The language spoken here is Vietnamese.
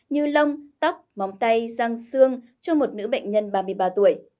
như lông tóc móng tay răng xương cho một nữ bệnh nhân ba mươi ba tuổi